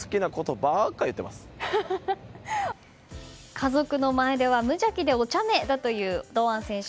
家族の前では無邪気でお茶目だという堂安選手。